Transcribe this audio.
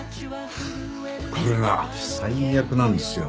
これが最悪なんですよ。